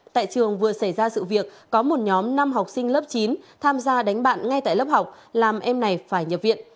tại trường vừa xảy ra sự việc có một nhóm năm học sinh lớp chín tham gia đánh bạn ngay tại lớp học làm em này phải nhập viện